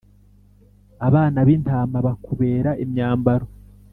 abana b’intama bakubera imyambaro